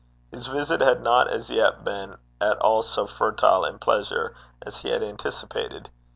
His visit had not as yet been at all so fertile in pleasure as he had anticipated.